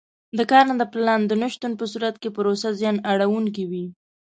د کارنده پلان د نه شتون په صورت کې پروسه زیان اړوونکې وي.